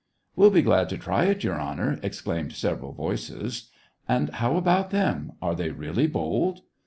"We'll be glad to try it, Your Honor!" ex claimed several voices. " And how about them — are they really bold